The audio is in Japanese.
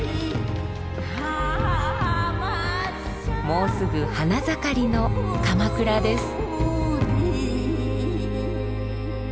もうすぐ花盛りの鎌倉です。